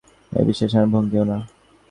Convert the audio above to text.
এ বিশ্বাস আমার ভাঙিও না!